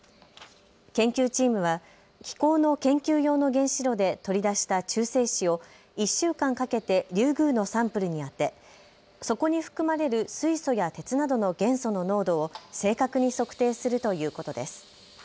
研究チームは機構の研究用の原子炉で取り出した中性子を１週間かけてリュウグウのサンプルに当てそこに含まれる水素や鉄などの元素の濃度を正確に測定するということです。